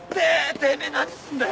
てめぇ何すんだよ！